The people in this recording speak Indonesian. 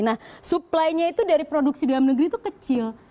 nah supplynya itu dari produksi dalam negeri itu kecil